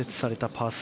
パー３。